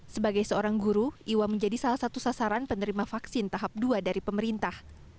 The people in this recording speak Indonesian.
sebagai seorang guru iwa menjadi salah satu sasaran penerima vaksin tahap dua dari pemerintah